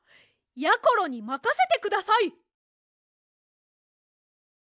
やころにまかせてください！